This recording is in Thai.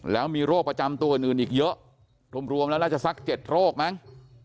แล้วมีโรคประจำตัวอื่นอีกเยอะรวมแล้วน่าจะสัก๗โรคมั้ง